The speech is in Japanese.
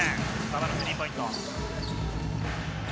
馬場のスリーポイント。